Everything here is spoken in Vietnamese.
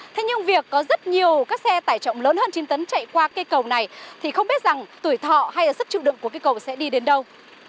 thế nhưng việc có rất nhiều các xe tải trọng lớn hơn chín tấn chạy qua cây cầu này thì không biết rằng tuổi thọ hay là sức trụ đựng của cây cầu sẽ đi đến đâu